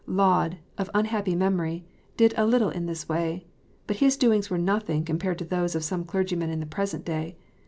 Laud, of unhappy memory, did a little in this way ; but his doings were nothing compared to those of some clergymen in the present day.